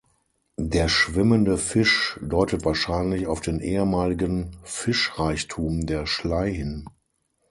Der schwimmende Fisch deutet wahrscheinlich auf den ehemaligen Fischreichtum der Schlei hin.